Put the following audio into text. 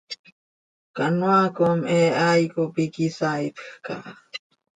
Canoaa com he hai cop iiqui saaipj caha.